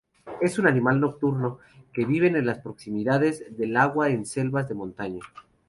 Es un animal nocturno, que viven en proximidades del agua en selvas de montaña.